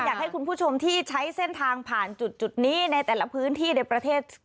อยากให้คุณผู้ชมที่ใช้เส้นทางผ่านจุดนี้ในแต่ละพื้นที่ในประเทศ